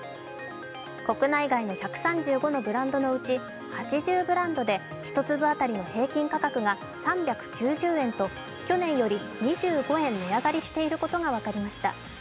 国内外の１３５のブランドのうち８０ブランドで１粒当たりの平均価格が３９０円と去年より２５円値上がりしていることが分かりました。